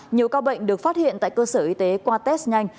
nhiều ca bệnh được phát hiện tại cơ sở y tế qua test nhanh